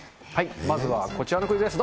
まずはこちらのクイズです。